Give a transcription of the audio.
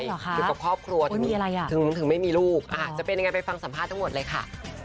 อยู่กับครอบครัวถึงไม่มีลูกจะเป็นยังไงไปฟังสัมภาษณ์ทั้งหมดเลยค่ะ